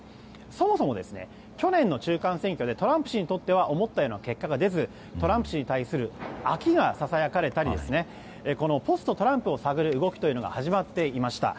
そもそも、去年の中間選挙でトランプ氏にとっては思ったような結果が出ずトランプ氏に対する飽きがささやかれたりポストトランプを探る動きが始まっていました。